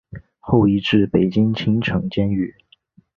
后移到北京秦城监狱。